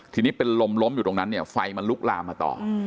ทีนี้เป็นลมล้มอยู่ตรงนั้นเนี่ยไฟมันลุกลามมาต่อ